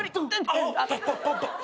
あっ。